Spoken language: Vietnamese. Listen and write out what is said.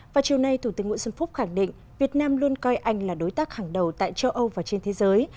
vào chiều nay thủ tướng nguyễn xuân phúc khẳng định việt nam luôn coi anh là đối tác hàng đầu tại châu âu và trên thế giới